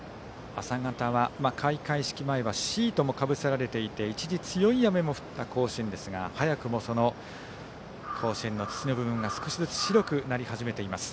朝方は開会式前はシートもかぶせられていて一時、強い雨も降った甲子園ですが早くもその甲子園の土の部分が少しずつ白くなり始めています。